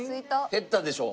減ったでしょ？